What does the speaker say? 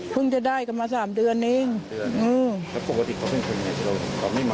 พึ่งจะได้กันมาสามเดือนนึงอืม